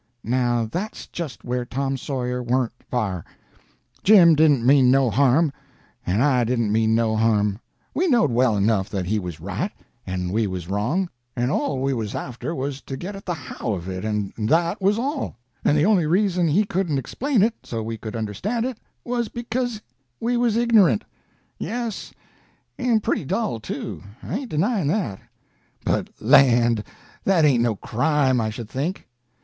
Now that's just where Tom Sawyer warn't fair. Jim didn't mean no harm, and I didn't mean no harm. We knowed well enough that he was right and we was wrong, and all we was after was to get at the how of it, and that was all; and the only reason he couldn't explain it so we could understand it was because we was ignorant—yes, and pretty dull, too, I ain't denying that; but, land! that ain't no crime, I should think.